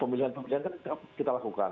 pemilihan pemilihan kan tetap kita lakukan